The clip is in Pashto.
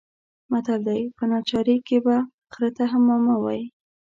متل دی: په ناچارۍ کې به خره ته هم ماما وايې.